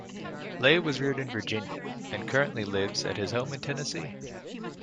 Leigh was reared in Virginia, and currently lives at his home in Tennessee.